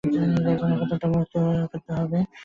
তোমাদের প্রত্যেককেই মুক্ত হইতে হইবে।